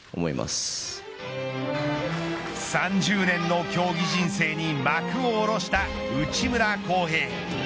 ３０年の競技人生に幕を下ろした内村航平。